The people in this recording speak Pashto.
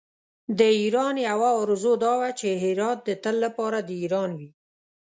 د ایران یوه آرزو دا وه چې هرات د تل لپاره د ایران وي.